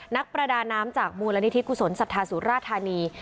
นักประดาน้ำจากมูลนิธิกุศลศรัทธาสุราธานี